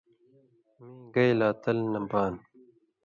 مِیں گئ لا تل نہ بان۔